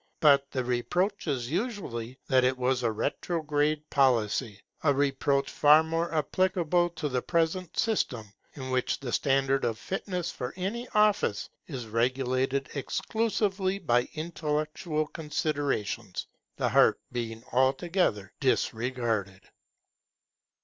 But the reproach is usually that it was a retrograde policy, a reproach far more applicable to the present system, in which the standard of fitness for any office is regulated exclusively by intellectual considerations, the heart being altogether disregarded.